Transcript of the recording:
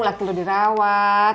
lagi lo dirawat